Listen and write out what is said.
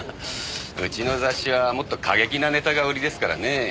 うちの雑誌はもっと過激なネタが売りですからね。